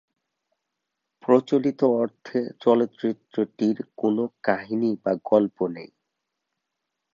প্রচলিত অর্থে চলচ্চিত্রটির কোনো কাহিনী বা গল্প নেই।